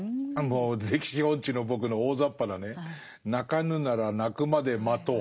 歴史音痴の僕の大ざっぱなね「鳴かぬなら鳴くまで待とう」。